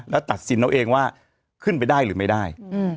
แล้วตัดสินเอาเองว่าขึ้นไปได้หรือไม่ได้